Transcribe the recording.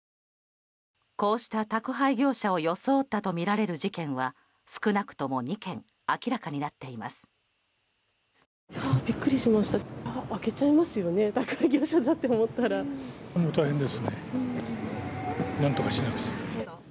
こうした宅配業者を装ったとみられる事件は少なくとも２件明らかになっています。